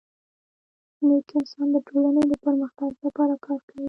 نیک انسان د ټولني د پرمختګ لپاره کار کوي.